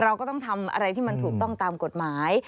เราก็ต้องทำอะไรที่มันถูกต้องตามกฎหมาย